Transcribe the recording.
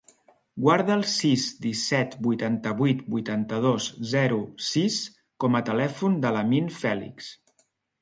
Guarda el sis, disset, vuitanta-vuit, vuitanta-dos, zero, sis com a telèfon de l'Amin Felix.